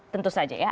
tentu saja ya